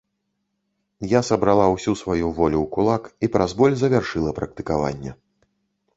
Я сабрала ўсю сваю волю ў кулак і праз боль завяршыла практыкаванне.